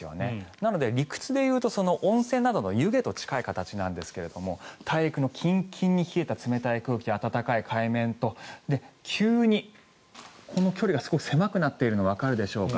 なので、理屈でいうと温泉などの湯気と近い形なんですが大陸のキンキンに冷たい空気温かい海面と急にこの距離が少し狭くなっているのがわかるでしょうか。